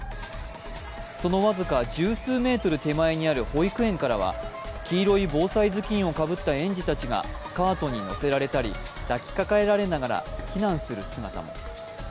その僅か十数メートル手前にある保育園からは黄色い防災ずきんをかぶった園児たちがカートに乗せられたり抱きかかえられながら避難する姿も。